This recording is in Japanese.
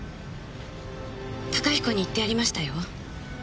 高彦に言ってやりましたよ。